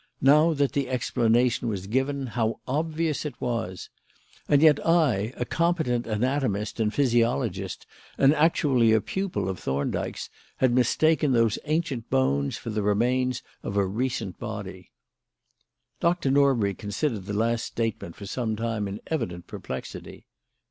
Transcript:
Now that the explanation was given, how obvious it was! And yet I, a competent anatomist and physiologist and actually a pupil of Thorndyke's, had mistaken those ancient bones for the remains of a recent body! Dr. Norbury considered the last statement for some time in evident perplexity.